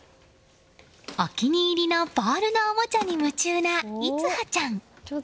お気に入りのボールのおもちゃに夢中な稜華ちゃん。